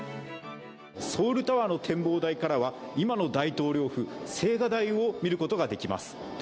ソウルタワーの展望台からは今の大統領府、青瓦台を見ることができます。